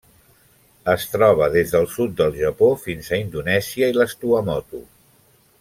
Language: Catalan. Es troba des del sud del Japó fins a Indonèsia i les Tuamotu.